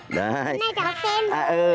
này cháu xem